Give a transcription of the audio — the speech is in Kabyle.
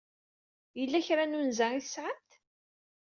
Yella kra n unza ay tesɛamt?